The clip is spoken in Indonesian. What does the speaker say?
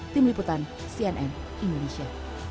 tim liputan cnn indonesia